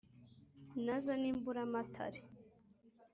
nazo ni mburamatare.